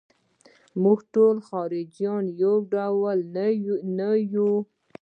موږ ټول تاجیکان یو ډول نه یوو.